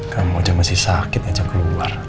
kamu aja masih sakit aja keluar